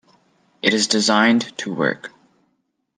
It is designed to work.